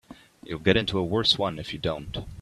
You'll get into a worse one if you don't.